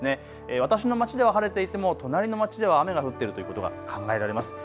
私の町では晴れていても隣の町では雨が降っているということが考えられます。